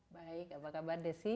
baik apa kabar desy